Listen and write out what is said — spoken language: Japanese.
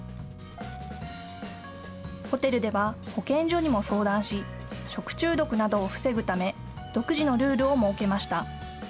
ホテルでは保健所にも相談し食中毒などを防ぐため独自のルールを設けました。